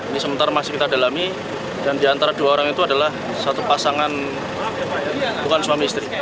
ini sementara masih kita dalami dan diantara dua orang itu adalah satu pasangan bukan suami istri